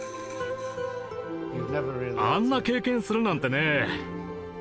あんな経験するなんてね。